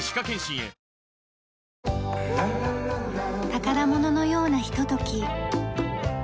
宝物のようなひととき。